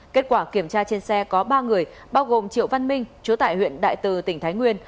kết quả kiểm tra trên xe có ba người bao gồm triệu văn minh chúa tại huyện đại từ tỉnh thái nguyên